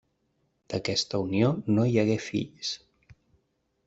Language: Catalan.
D'aquesta unió no hi hagué fills.